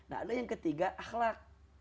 ada yang ketiga akhlaq